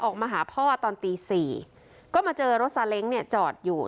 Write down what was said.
ออกมาหาพ่อตอนตี๔ก็มาเจอรถซาเล้งเนี่ยจอดอยู่